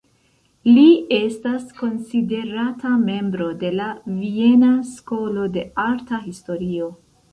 Li estas konsiderata membro de la "Viena Skolo de Arta Historio".